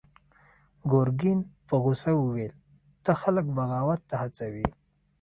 ګرګين په غوسه وويل: ته خلک بغاوت ته هڅوې!